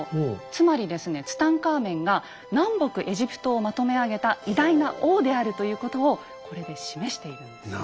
つまりですねツタンカーメンが南北エジプトをまとめあげた偉大な王であるということをこれで示しているんですね。